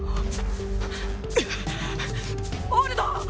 オルド